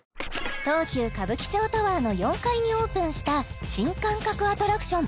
東急歌舞伎町タワーの４階にオープンした新感覚アトラクション